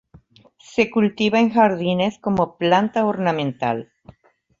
Se cultiva en jardines como planta ornamental.